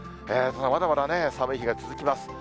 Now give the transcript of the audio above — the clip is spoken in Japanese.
ただ、まだまだ寒い日が続きます。